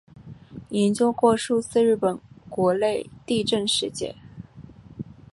研究过数次日本国内地震事件。